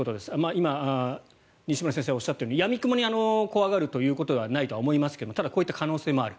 今、西村先生がおっしゃったようにやみくもに怖がるということはないと思いますがただ、こういった可能性もある。